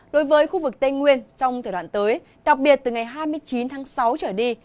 đối với khu vực tây nguyên trong thời đoạn tới đặc biệt từ ngày hai mươi chín tháng sáu trở đi